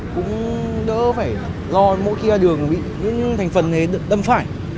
cũng đỡ phải lo mỗi khi đường bị những thành phần đâm phải